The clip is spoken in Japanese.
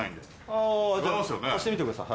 あぁじゃあ貸してみてください。